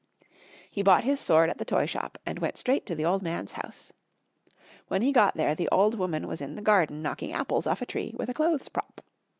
He bought his sword at the toy shop and went straight to the old man's house. When he got there the old woman was in the garden knocking apples off a tree with a clothes prop.